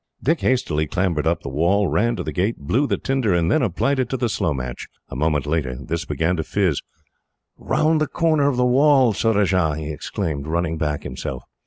Dick hastily clambered up the wall, ran to the gate, blew the tinder, and then applied it to the slow match. A moment later, this began to fizz. "Round the corner of the wall, Surajah!" he exclaimed, running back himself.